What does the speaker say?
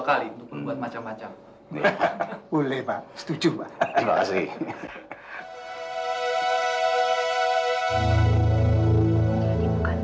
kali untuk membuat macam macam boleh setuju makasih